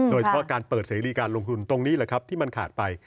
โดยเฉพาะการเปิดเสรีการลงทุนตรงนี้แหละครับที่มันขาดไป